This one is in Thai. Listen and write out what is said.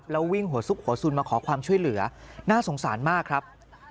แล้ววิ่งหัวซุกหัวสุนมาขอความช่วยเหลือน่าสงสารมากครับ